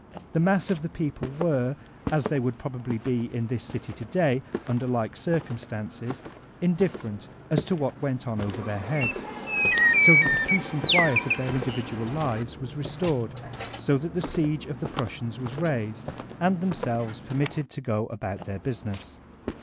The mass of the people were, as they would probably be in this city to day under like circumstances, indifferent as to what went on over their heads, so that the peace and quiet of tfieir individual lives was restored, so that the si^e of the Prusiians was raised, and themselves permitted to go about their business.